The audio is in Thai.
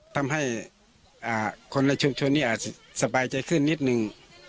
ทำให้คนในชุมชนนี้อาจสบายใจขึ้นนิดนึง